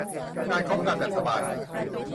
การคบกันแบบสบาย